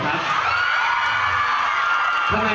อเจมส์ทำไม